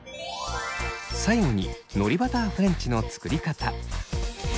最後にのりバターフレンチの作り方。